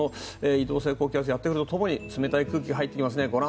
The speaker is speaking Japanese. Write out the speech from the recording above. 移動性高気圧がやってくると共に冷たい空気が入ってきます。